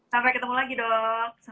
sampai ketemu lagi dok